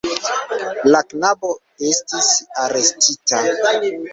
La knabo estis arestita.